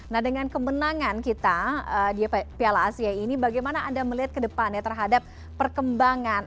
nah dengan kemenangan kita di piala asia ini bagaimana anda melihat ke depannya terhadap perkembangan